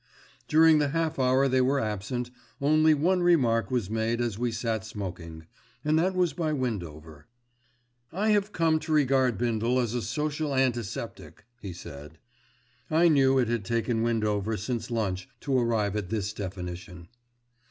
During the half hour they were absent, only one remark was made as we sat smoking, and that was by Windover. "I have come to regard Bindle as a social antiseptic," he said. I knew it had taken Windover since lunch to arrive at this definition.